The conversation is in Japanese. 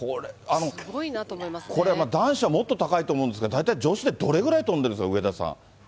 男子はもっと高いと思うんですけど、大体女子でどれくらい跳んでるんですか、上田さん。